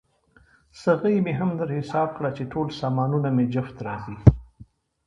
څغۍ مې هم در حساب کړه، چې ټول سامانونه مې جفت راځي.